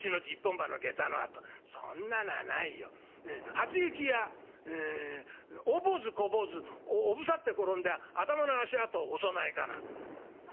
「『初雪や大坊主小坊主おぶさって転んで頭の足跡お供えかな』」。